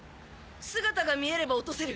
姿が見えれば落とせる？